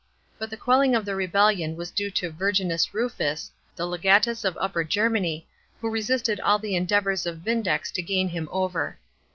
But the quelling of the rebellion was due to Verginius Rufus, the legatus of Upper Germany, who resisted all the endeavours of Vindex to gain him over.